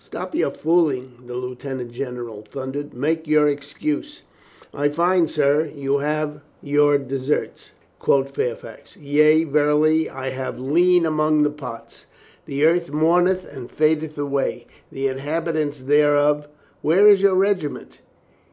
"Stop your fooling," the lieutenant general thun dered. "Make your excuse!" "I find, sirrah, you have your deserts?" quoth Fairfax. "Yea, verily, I have lien among the pots. The earth mourneth and fadeth away. The inhabi tants thereof —" "Where is your regiment?"